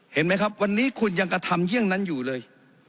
เห็นไหมครับวันนี้คุณยังกระทำเยี่ยงนั้นอยู่เลย